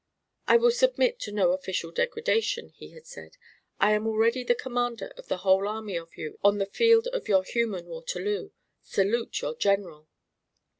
"I will submit to no official degradation," he had said; "I am already the Commander of the whole army of you on the field of your human Waterloo: salute your General!"